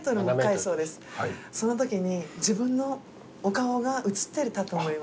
そのときに自分のお顔が映ってたと思います。